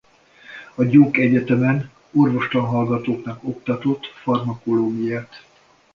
A Duke Egyetemen orvostanhallgatóknak oktatott farmakológiát.